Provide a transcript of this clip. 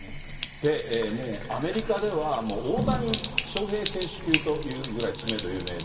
もうアメリカでは、大谷翔平選手級というくらい知名度有名で。